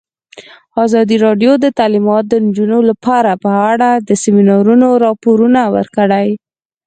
ازادي راډیو د تعلیمات د نجونو لپاره په اړه د سیمینارونو راپورونه ورکړي.